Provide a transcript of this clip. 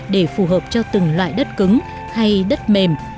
để phù hợp cho từng loại đất cứng hay đất mềm